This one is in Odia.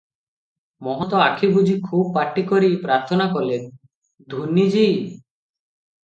ମହନ୍ତ ଆଖି ବୁଜି ଖୁବ୍ ପାଟି କରି ପ୍ରାର୍ଥନା କଲେ, "ଧୂନି ଜୀ!